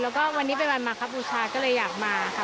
แล้วก็วันนี้เป็นวันมาครับบูชาก็เลยอยากมาค่ะ